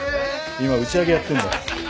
今打ち上げやってんだよ。